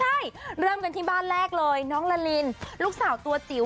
ใช่เริ่มกันที่บ้านแรกเลยน้องละลินลูกสาวตัวจิ๋ว